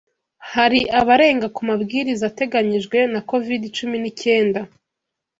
Hari abarenga kumabwiriza ateganyijwe na covid cumi n'icyenda